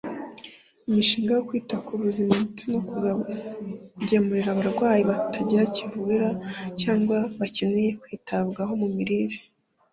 imishinga yo kwita ku buzima ndetse no kugemurira abarwayi batagira kivurira cyangwa bakenewe kwitabwaho mu mirire